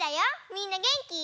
みんなげんき？